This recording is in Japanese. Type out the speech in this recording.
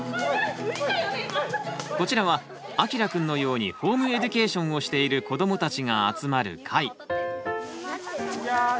こちらはあきらくんのようにホームエデュケーションをしている子どもたちが集まる会。